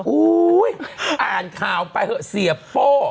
อ่านข่าวไปเถอะเสียโป้